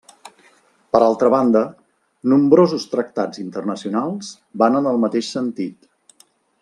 Per altra banda, nombrosos tractats internacionals van en el mateix sentit.